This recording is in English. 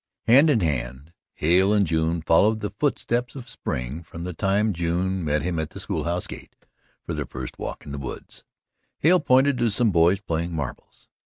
XV Hand in hand, Hale and June followed the footsteps of spring from the time June met him at the school house gate for their first walk into the woods. Hale pointed to some boys playing marbles.